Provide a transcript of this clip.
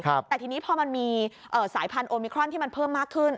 แต่ทีนี้พอมันมีสายพันธุมิครอนที่มันเพิ่มมากขึ้น